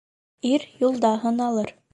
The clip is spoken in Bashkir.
Ир юлда һыналыр